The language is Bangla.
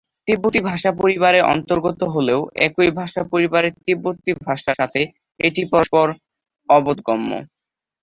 তিব্বতি ভাষা পরিবারের অন্তর্গত হলেও একই ভাষা পরিবারের তিব্বতি ভাষার সাথে এটি পরস্পর-অবোধগম্য।